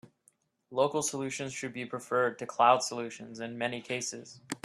Local solutions should be preferred to cloud solutions in many cases.